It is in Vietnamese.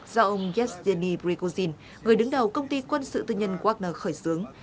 do ông yevgeny prigozhin người đứng đầu công ty quân sự tư nhân wagner khởi xướng